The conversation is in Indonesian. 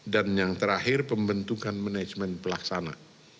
dan yang terakhir pembentukan manajemen pelaksana